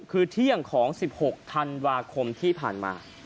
คือเที่ยงของ๑๖ธันวาคมที่ผ่านมา